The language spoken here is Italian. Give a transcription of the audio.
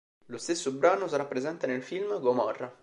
Lo stesso brano sarà presente nel film Gomorra.